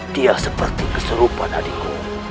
dia seperti keserupan adikku